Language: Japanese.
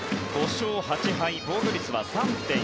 ５勝８敗防御率は３．４５。